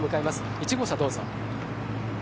１号車、どうぞ。